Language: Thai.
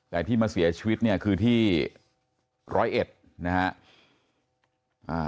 แต่ที่มาเสียชีวิตเนี่ยคือที่ร้อยเอ็ดนะฮะ